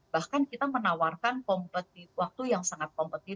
bahkan kita menawarkan kompetensi waktu yang sangat kompetitif